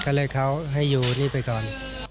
ก็เลยเขาให้อยู่นี่ไปก่อน